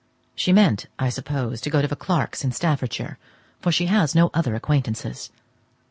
She meant, I suppose, to go to the Clarkes in Staffordshire, for she has no other acquaintances.